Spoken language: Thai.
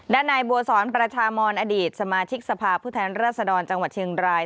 นายบัวสอนประชามอนอดีตสมาชิกสภาพผู้แทนรัศดรจังหวัดเชียงราย